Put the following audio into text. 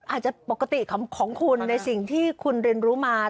อาจจะปกติของคุณในสิ่งที่คุณเรียนรู้มา